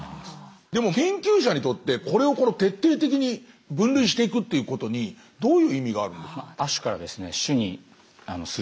でも研究者にとってこれを徹底的に分類していくっていうことにどういう意味があるんでしょう？